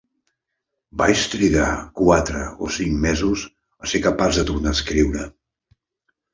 Vaig trigar quatre o cinc mesos a ser capaç de tornar a escriure.